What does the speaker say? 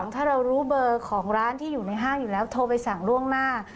ถ้าเรารู้เบอร์ของร้านที่อยู่ในห้างอยู่แล้วโทรไปสั่งล่วงหน้า